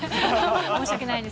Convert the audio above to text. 申し訳ないです。